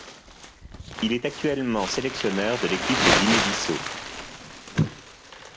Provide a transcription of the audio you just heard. Il est actuellement sélectionneur de l'équipe de Guinée-Bissau.